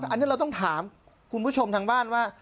อันนี้เราต้องถามคุณผู้ชมทางบ้านว่า